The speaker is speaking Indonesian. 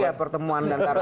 ya pertemuan antara